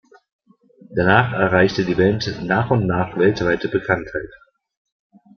Danach erreichte die Band nach und nach weltweite Bekanntheit.